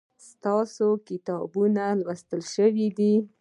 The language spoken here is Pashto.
ایا ستاسو کتابونه لوستل شوي دي؟